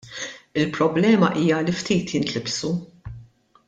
Il-problema hija li ftit jintlibsu.